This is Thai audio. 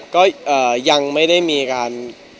ก็ยังไม่ได้มีการ